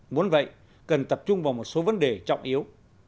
muốn vậy cần tập trung vào một số vấn đề trọng yếu